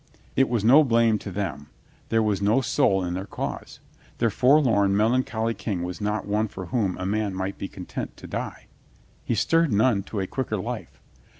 It was no blame to them. There was no soul in their cause. Their forlorn, melancholy King was not one for whom a man might be content to die. He stirred none to a quicker life.